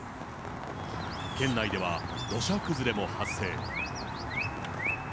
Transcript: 県内では土砂崩れも発生。